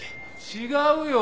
違うよ。